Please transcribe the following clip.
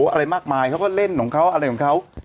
อะไรมากมายเขาก็เล่นของเขาอะไรของเขา